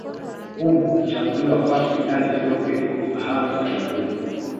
Humu huchambuliwa kwa undani kidogo ili kufahamu utamaduni